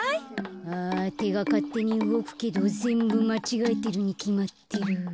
あてがかってにうごくけどぜんぶまちがえてるにきまってる。